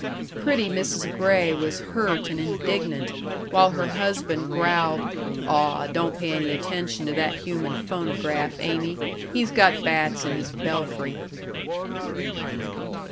Pretty Mrs. Gray was hurt and indignant, while her husband growled: "Aw, don't pay any attention to that human phonograph, Amy. He's got bats in his belfry."